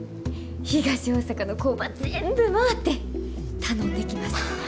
東大阪の工場全部回って頼んできます。